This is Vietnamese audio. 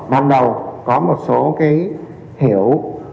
ban đầu có một số hiểu